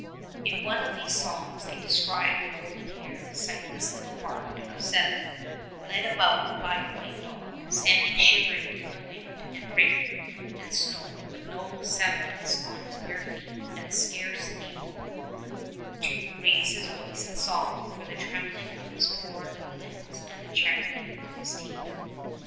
In one of these songs they describe the golden haired, sightless little bard of seven led about by a white dog, standing shivering in the wind and rain and snow with no sabots on his bare feet and scarce able to raise his voice in song for the trembling of his poor little limbs and the chattering of his teeth.